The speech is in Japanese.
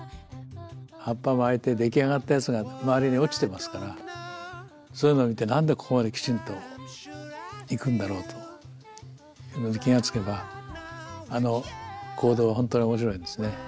葉っぱ巻いて出来上がったやつが周りに落ちてますからそういうのを見て何でここまできちんといくんだろうというのに気が付けばあの行動は本当に面白いんですね。